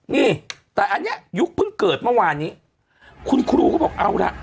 นี่แต่อันนี้ยุคเพิ่งเกิดเมื่อวานนี้คุณครูเขาบอกเอาล่ะ